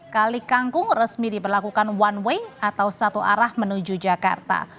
kali kangkung resmi diberlakukan one way atau satu arah menuju jakarta